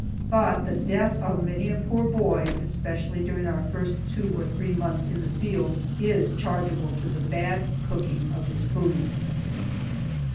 But the death of many a poor boy, especially during our first two or three months in the field, is chargeable to the bad cooking of his food.